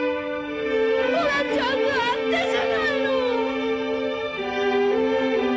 ほらちゃんとあったじゃないの。